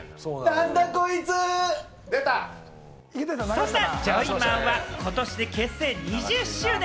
そんなジョイマンは、今年で結成２０周年。